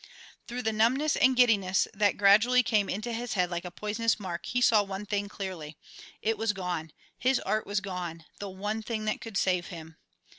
Through the numbness and giddiness that gradually came into his head like a poisonous murk he saw one thing clearly: It was gone his art was gone, the one thing that could save him.